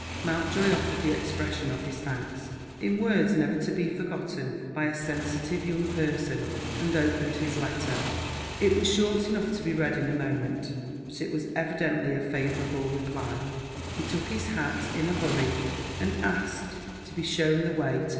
Mountjoy offered the expression of his thanks, in words never to be forgotten by a sensitive young person, and opened his letter. It was short enough to be read in a moment; but it was evidently a favourable reply. He took his hat in a hurry, and asked to be shown the way to Mr. Vimpany's house.